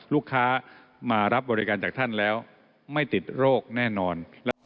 ลูกค้ามารับบริการจากท่านแล้วไม่ติดโรคแน่นอน